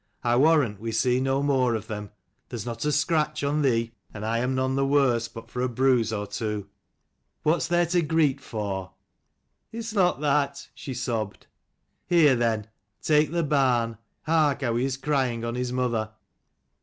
I warrant we see no more of them. There's not a scratch on thee, and I am none the worse but for a bruise or two. 279 What's there to greet for?" " It's not that," she sobbed. "Here, then; take the barn: hark how he is crying on his mother."